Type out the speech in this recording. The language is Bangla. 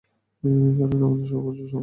কেননা আমাকে বিচ্ছু বা সাপ দংশন করেছিল।